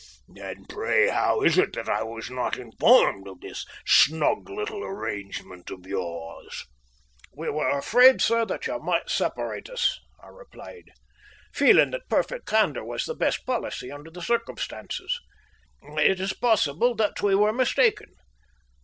And pray how is it that I was not informed of this snug little arrangement of yours?" "We were afraid, sir, that you might separate us," I replied, feeling that perfect candour was the best policy under the circumstances. "It is possible that we were mistaken.